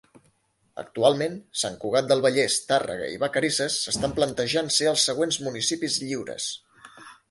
Actualment, Sant Cugat del Vallès, Tàrrega i Vacarisses s'estan plantejant ser els següents municipis lliures.